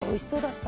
おいしそうだった。